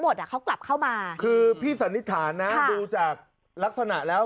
อ่ะเขากลับเข้ามาคือพี่สันนิษฐานนะดูจากลักษณะแล้ว